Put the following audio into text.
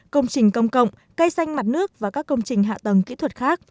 công trình công cộng cây xanh mặt nước và các công trình hạ tầng kỹ thuật khác